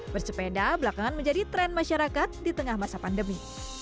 bersepeda belakangan menjadi tren masyarakat di tengah masa pandemi